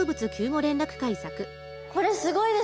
これすごいですね。